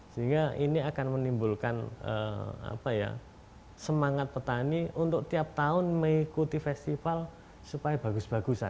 sehingga ini akan menimbulkan semangat petani untuk tiap tahun mengikuti festival supaya bagus bagusan